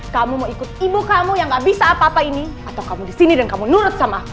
kamu mau ikut ibu kamu yang gak bisa apa apa ini atau kamu di sini dan kamu nurut sama aku